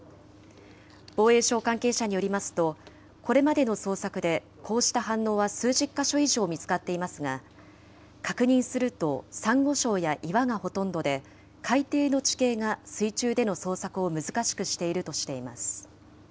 防衛省関係者によりますと、これまでの捜索で、こうした反応は数十か所以上見つかっていますが、確認するとサンゴ礁や岩がほとんどで、海底の地形が水中での捜索を難しくしているとしています。